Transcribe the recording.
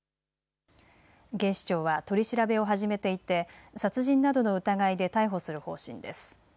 警視庁は取り調べを始めていて殺人などの疑いで逮捕する方針です。